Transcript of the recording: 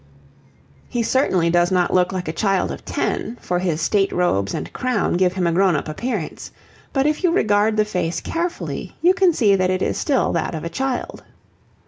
He certainly does not look like a child of ten, for his state robes and crown give him a grown up appearance. But if you regard the face carefully you can see that it is still that of a child.